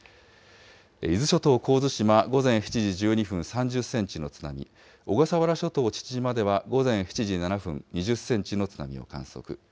伊豆諸島神津島、午前７時１２分、３０センチの津波、小笠原諸島父島では午前７時７分、２０センチの津波を観測。